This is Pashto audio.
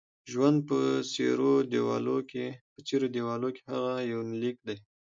ژوند په څيرو دېوالو کې: هغه یونلیک دی